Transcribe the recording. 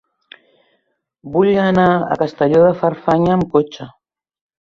Vull anar a Castelló de Farfanya amb cotxe.